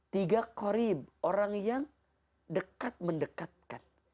tiga qorib orang yang dekat mendekatkan